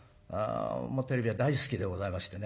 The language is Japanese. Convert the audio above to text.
テレビは大好きでございましてね